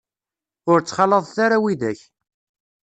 Ur ttxalaḍet ara widak.